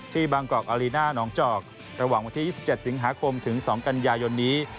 บางกอกอารีน่าหนองจอกระหว่างวันที่๒๗สิงหาคมถึง๒กันยายนนี้